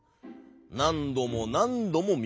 なんどもなんどもみました。